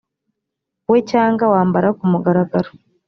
we cyangwa wambara ku mugaragaro